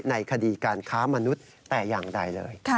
ในคดีการค้ามนุษย์แต่อย่างใดเลย